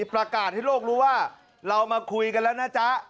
ประกาศให้โลกรู้ว่าเรามาคุยกันแล้วนะจ๊ะ